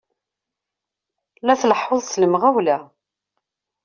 La tleḥḥuḍ s lemɣawla!